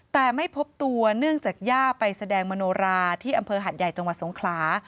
แต่ไม่พบตัวเนื่องจากย่าไปแสดงมโนราที่อำเภอหัดใหญ่จังหวัดสงขลา